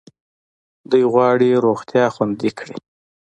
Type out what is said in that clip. دوی غواړي روغتیا خوندي کړي.